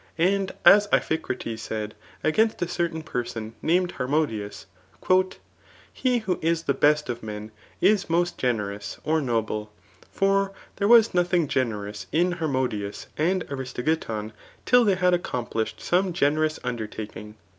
'" And as Iphicrates said [against a certain person named Harmodius,3 ^' He who is the best of men is most generous or noble ; for there was nothing generous in Harmodius and Aristogiton, dll they had accomplished some generous undertaking.